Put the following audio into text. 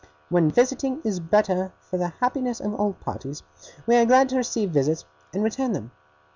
When visiting is better for the happiness of all parties, we are glad to receive visits, and return them.